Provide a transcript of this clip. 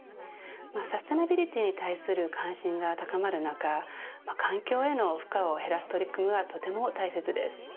サステナビリティに対する関心が高まる中環境への負荷を減らす取り組みはとても大切です。